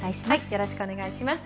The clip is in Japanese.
よろしくお願いします。